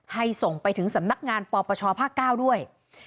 ๗ให้ส่งไปถึงสำนักงานปประชอภาคเก้าด้วย